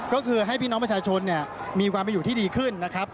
ก็คือให้พี่น้องประชาชนเนี่ยมีความเป็นอยู่ที่ดีขึ้นนะครับ